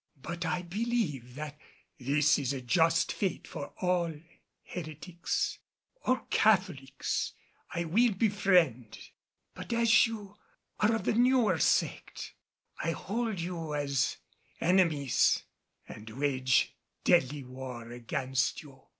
But I believe that this is a just fate for all heretics. All Catholics I will befriend; but as you are of the New Sect, I hold you as enemies, and wage deadly war against you.